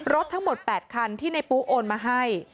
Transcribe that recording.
รถทั้งหมด๘คันที่ในปุ๊โอนมาให้